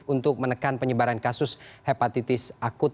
untuk menekan penyebaran kasus hepatitis akut